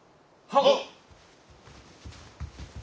はっ。